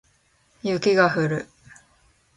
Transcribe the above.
雪が降る